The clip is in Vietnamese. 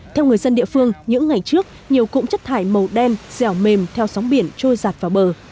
theo người dân địa phương những ngày trước nhiều cụm chất thải màu đen dẻo mềm theo sóng biển trôi giạt vào bờ